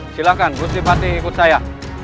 silahkan gusti patih ikut saya